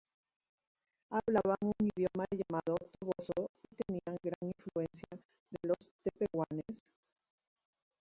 Hablaban un idioma llamado Toboso y tenían gran influencia de los Tepehuanes.